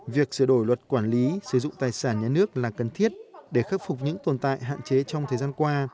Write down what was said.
việc sửa đổi luật quản lý sử dụng tài sản nhà nước là cần thiết để khắc phục những tồn tại hạn chế trong thời gian qua